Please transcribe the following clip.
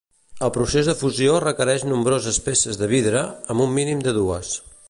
El procés de fusió requereix nombroses peces de vidre, amb un mínim de dues.